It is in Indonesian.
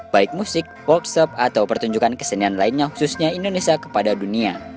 baik musik workshop atau pertunjukan kesenian lainnya khususnya indonesia kepada dunia